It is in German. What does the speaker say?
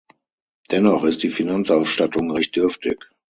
Dennoch ist die Finanzausstattung recht dürftig.